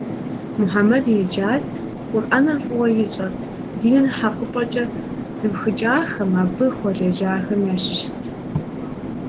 Мухьэмэд еджат, Къурӏэнр фӏыуэ ищӏэрт, диныр хьэкъыпӏэкӏэ зыпхыкӏахэм, абы хуэлажьэхэм ящыщт.